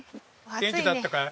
元気だったかい？